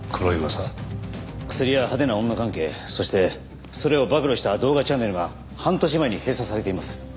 クスリや派手な女関係そしてそれを暴露した動画チャンネルが半年前に閉鎖されています。